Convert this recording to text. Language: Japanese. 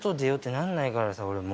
なんないからさ俺も。